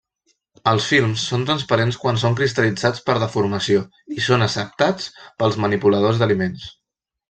Els films són transparents quan són cristal·litzats per deformació i són acceptats pels manipuladors d’aliments.